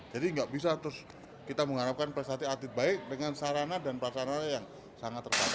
jadi enggak bisa terus kita mengharapkan prestasi atlet baik dengan sarana dan prasarannya yang sangat terbatas